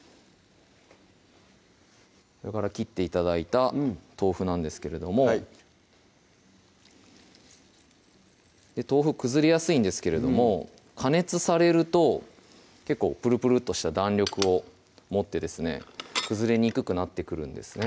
それから切って頂いた豆腐なんですけれども豆腐崩れやすいんですけれども加熱されると結構プルプルッとした弾力を持ってですね崩れにくくなってくるんですね